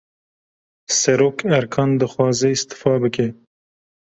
Serokerkan, dixwaze îstîfa bike